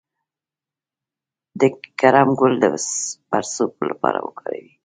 د کرم ګل د پړسوب لپاره وکاروئ